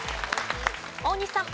大西さん。